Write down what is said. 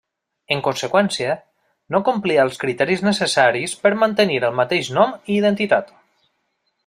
En conseqüència, no complia els criteris necessaris per mantenir el mateix nom i identitat.